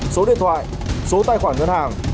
số điện thoại số tài khoản ngân hàng